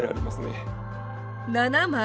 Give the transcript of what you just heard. ７枚！